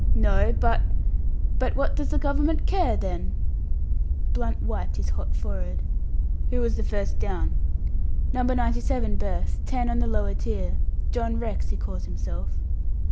"No but " "But what does the Government care, then?" Blunt wiped his hot forehead. "Who was the first down?" "No. 97 berth; ten on the lower tier. John Rex he calls himself."